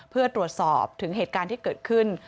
เพื่อตรวจสอบถึงเหตุการณ์ที่เกิดขึ้น